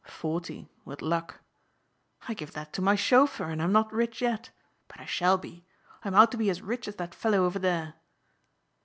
"Forty with luck." "I give that to my chauffeur and I'm not rich yet. But I shall be. I'm out to be as rich as that fellow over there."